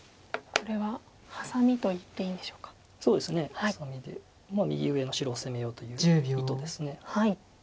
ハサミで右上の白を攻めようという意図です。